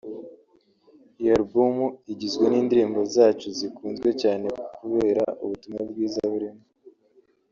Iyi Album igizwe n’indirimbo zacu zikunzwe cyane kubera ubutumwa bwiza burimo